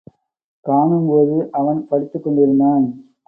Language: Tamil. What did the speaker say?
காணும்போது அவன் படித்துக்கொண்டிருந்தான்.